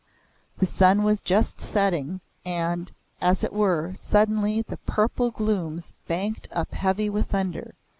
The sun was just setting and, as it were, suddenly the purple glooms banked up heavy with thunder.